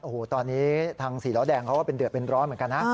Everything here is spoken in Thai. โอ้โหตอนนี้ทางสี่ล้อแดงเขาก็เป็นเดือดเป็นร้อนเหมือนกันนะ